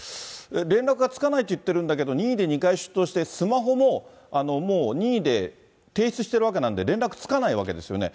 連絡がつかないと言っているんだけれども、任意で２回出頭して、スマホももう、任意で提出しているわけなんで、連絡つかないわけですよね。